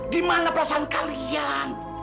di mana perasaan kalian